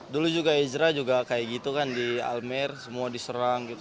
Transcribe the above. dulu juga ezra juga kayak gitu kan di almer semua diserang gitu